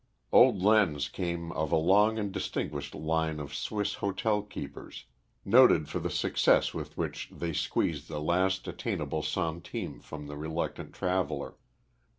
Old Lenz came of a long and distinguished line of Swiss hotel keepers, noted for the success with which they squeezed the last attainable centime from the reluctant traveller.